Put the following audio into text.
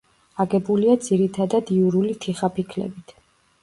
აგებულია ძირითადად იურული თიხაფიქლებით.